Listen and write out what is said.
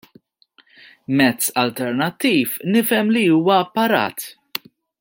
Mezz alternattiv nifhem li huwa apparat.